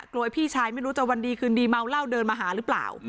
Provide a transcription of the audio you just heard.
พี่ชายไม่รู้จะวันดีคืนดีเมาเหล้าเดินมาหาหรือเปล่า